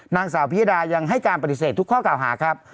นางสาวพิยดายังให้การปฏิเสธทุกข้อเก่าหาครับ